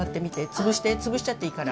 潰して潰しちゃっていいから。